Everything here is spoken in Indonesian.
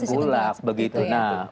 tengkulak begitu ya